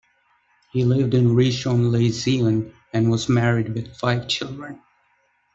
He lived in Rishon LeZion and was married with five children.